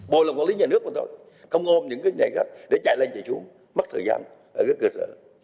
bộ là quản lý nhà nước mà thôi không ôm những cái nhà khác để chạy lên chạy xuống mất thời gian ở cái cơ sở